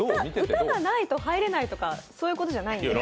歌がないと入れないとかそういうことじゃないです。